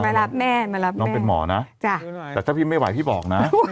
มารับแม่มารับน้องเป็นหมอนะจ้ะแต่ถ้าพี่ไม่ไหวพี่บอกนะ